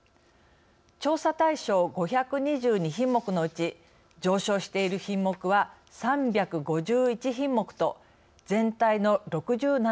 調査対象５２２品目のうち上昇している品目は３５１品目と全体の６７％